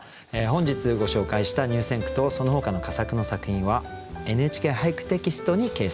本日ご紹介した入選句とそのほかの佳作の作品は「ＮＨＫ俳句」テキストに掲載されます。